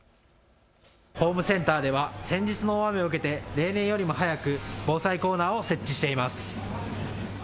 ホームセンターでは先日の大雨を受けて例年よりも早く防災コーナーを設置しています。